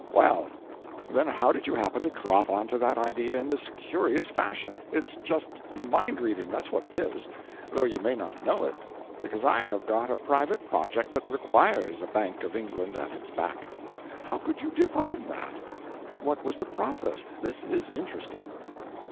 "Well, then how did you happen to drop onto that idea in this curious fashion? It's just mind reading, that's what it is, though you may not know it. Because I have got a private project that requires a Bank of England at its back. How could you divine that? What was the process? This is interesting."